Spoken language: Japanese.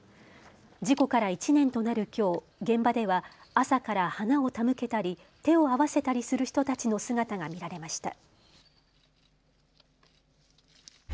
事故から１年となるきょう現場では朝から花を手向けたり手を合わせたりする人たちの姿が見られました。